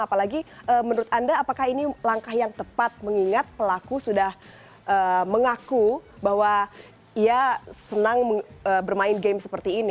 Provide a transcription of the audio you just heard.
apalagi menurut anda apakah ini langkah yang tepat mengingat pelaku sudah mengaku bahwa ia senang bermain game seperti ini